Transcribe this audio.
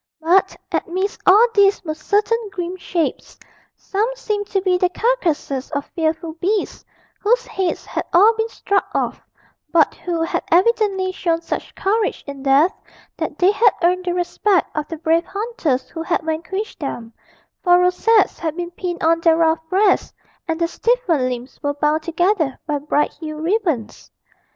But amidst all these were certain grim shapes; some seemed to be the carcases of fearful beasts, whose heads had all been struck off, but who had evidently shown such courage in death that they had earned the respect of the brave hunters who had vanquished them for rosettes had been pinned on their rough breasts, and their stiffened limbs were bound together by bright hued ribbons.